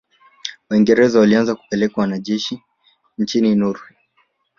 Waingerza walianza kupeleka wanajeshi nchini Norway